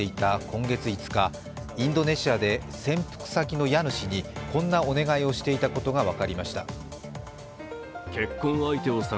今月５日、インドネシアで潜伏先の家主に、こんなお願いをしていたことが分かりました。